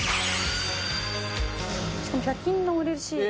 しかも１００均のうれしい。